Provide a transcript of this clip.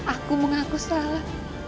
aku mengaku salah